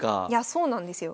そうなんですよ。